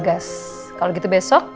gas kalau gitu besok